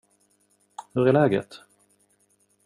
Hur är läget?